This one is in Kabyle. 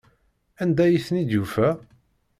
Anda ay ten-id-yufa?